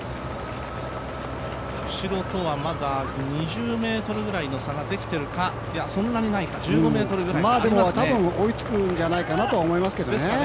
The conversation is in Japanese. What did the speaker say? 後ろとはまだ２０ｍぐらいの差ができているか、そんなにないかでもたぶん追いつくんじゃないかなと思いますけどね。